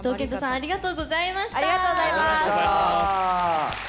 ありがとうございます。